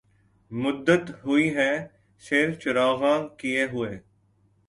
مدّت ہوئی ہے سیر چراغاں کئے ہوئے